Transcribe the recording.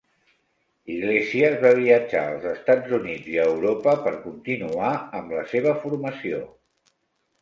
Yglesias va viatjar als Estats Units i a Europa per continuar amb la seva formació.